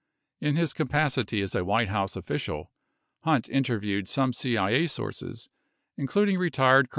41 In his capacity as a White House official, Hunt interviewed some CIA sources, including retired Col.